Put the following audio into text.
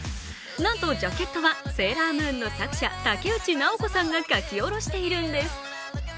なんと、ジャケットは「セーラームーン」の作者武内直子さんが描き下ろしているんです。